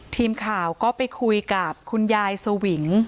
ทีมข่าวก็ไปคุยกับคุณยายสวิง